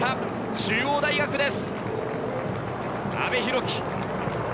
中央大学です。